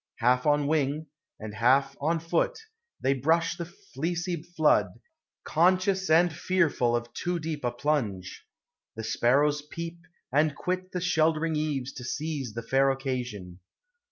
Half on wing, And half on foot, they brush the fleecy flood, Conscious and fearful of too deep a plunge. The sparrows peep, and quit the sheltering eaves To seize the fair occasion.